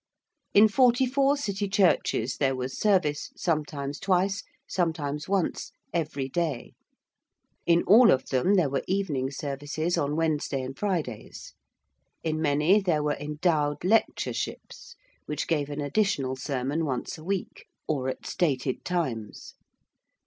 In forty four City churches there was service, sometimes twice, sometimes once, every day. In all of them there were evening services on Wednesday and Fridays: in many there were endowed lectureships, which gave an additional sermon once a week, or at stated times.